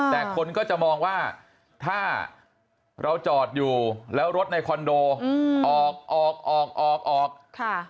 แต่คนก็จะมองว่าถ้าเราจอดอยู่แล้วรถในคอนโดออกออกออกค่ะ